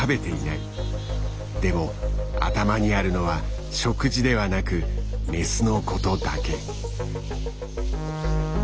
でも頭にあるのは食事ではなくメスのことだけ。